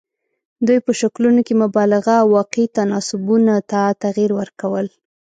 دوی په شکلونو کې مبالغه او واقعي تناسبونو ته تغیر ورکول.